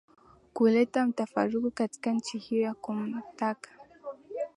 kuleta mtafaruku katika nchi hiyo ya kumtaka